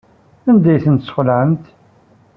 Anda ay tent-tesxelɛemt?